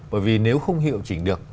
bởi vì nếu không hiệu chỉnh được